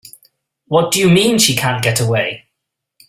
What do you mean she can't get away?